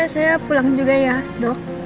saya pulang juga ya dok